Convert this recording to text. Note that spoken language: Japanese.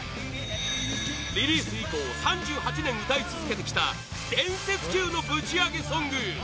リリース以降３８年歌い続けてきた伝説級の、ぶちアゲソング